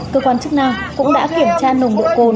cơ quan chức năng cũng đã kiểm tra nồng độ cồn